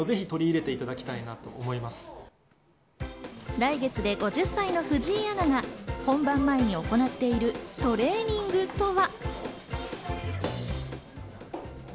来月で５０歳の藤井アナが本番前に行っているトレーニングとは。